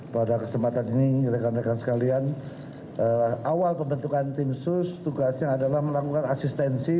pada kesempatan ini rekan rekan sekalian awal pembentukan tim sus tugasnya adalah melakukan asistensi